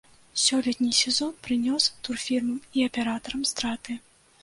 Сёлетні сезон прынёс турфірмам і аператарам страты.